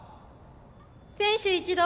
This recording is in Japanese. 選手一同